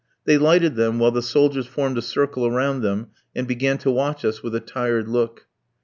They lighted them while the soldiers formed a circle around them, and began to watch us with a tired look.